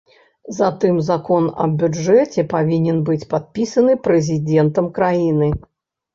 Затым закон аб бюджэце павінен быць падпісаны прэзідэнтам краіны.